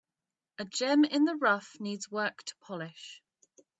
A gem in the rough needs work to polish.